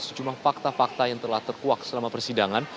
sejumlah fakta fakta yang telah terkuak selama persidangan